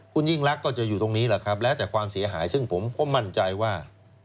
คุณยิ่งรักก็จะอยู่ตรงนี้แหละครับแล้วแต่ความเสียหายซึ่งผมก็มั่นใจว่า